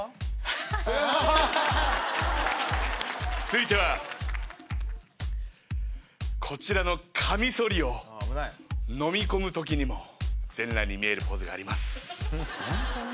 続いてはこちらのカミソリをのみこむときにも全裸に見えるポーズがあります。